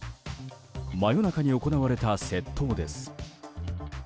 真夜中に行われた窃盗です。